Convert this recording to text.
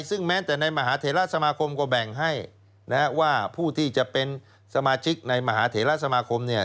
ซึ่งแม้แต่ในมหาเทราสมาคมก็แบ่งให้นะฮะว่าผู้ที่จะเป็นสมาชิกในมหาเถระสมาคมเนี่ย